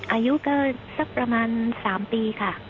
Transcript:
อายุก็สักประมาณ๓ปีค่ะ